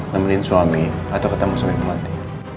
nemenin suami atau ketemu suami pemati